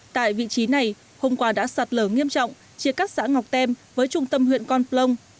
tại vị trí này hôm qua đã sạt lở nghiêm trọng chia cắt xã ngọc tem với trung tâm huyện con plong